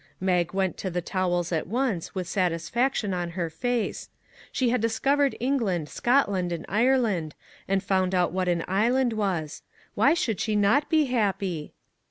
Mag went to the towels at once, with satis faction on her face. She had discovered Eng land, Scotland and Ireland, and found out what an island was. Why should she not be happy